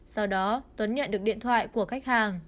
sau đó tuấn nhận được điện thoại của khách hàng